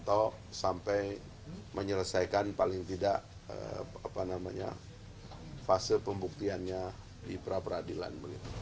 kepada pak setiano fanto sampai menyelesaikan paling tidak fase pembuktiannya di pra peradilan